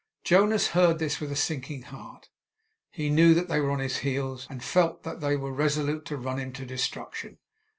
Jonas heard this with a sinking heart. He knew that they were on his heels, and felt that they were resolute to run him to destruction.